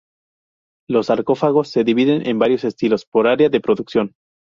Los sarcófagos se dividen en varios estilos, por área de producción.